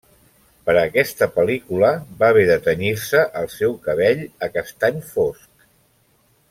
Per a aquesta pel·lícula, va haver de tenyir-se el seu cabell a castany fosc.